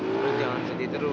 kamu jangan sedih terus